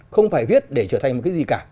không phải viết để trở thành một cái gì cả